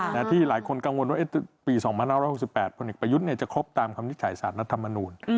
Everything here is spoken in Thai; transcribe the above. และที่หลายคนกังวลว่าปี๒๖๖๘พยจะครบตามคำนิจฉัยศาสนัทธรรมนูญ